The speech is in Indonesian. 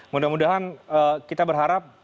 mudah mudahan kita berharap